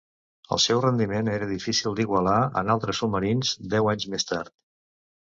El seu rendiment era difícil d'igualar en altres submarins deu anys més tard.